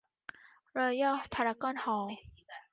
รอยัลพารากอนฮอลล์